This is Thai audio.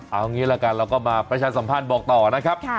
เอางี้ละกันเราก็มาประชาสัมพันธ์บอกต่อนะครับ